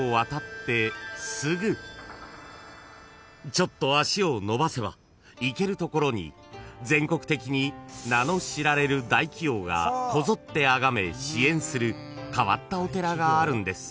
［ちょっと足を伸ばせば行けるところに全国的に名の知られる大企業がこぞってあがめ支援する変わったお寺があるんです］